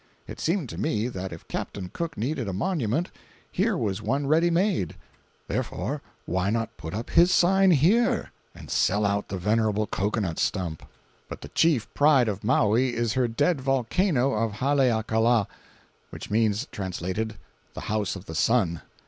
It seemed to me that if Captain Cook needed a monument, here was one ready made—therefore, why not put up his sign here, and sell out the venerable cocoanut stump? 547.jpg (192K) But the chief pride of Maui is her dead volcano of Haleakala—which means, translated, "the house of the sun."